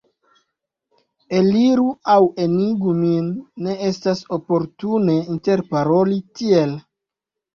Eliru aŭ enirigu min, ne estas oportune interparoli tiel!